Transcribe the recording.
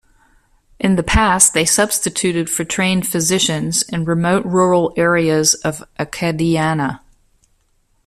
In the past, they substituted for trained physicians in remote rural areas of Acadiana.